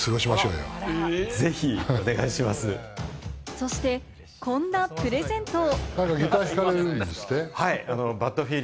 そして、こんなプレゼントを。